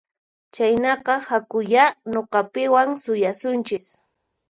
Chaynaqa hakuyá nuqapiwan suyasunchis